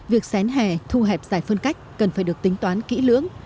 việc xén hè thu hẹp giải phân cách cần phải được tính toán kỹ lưỡng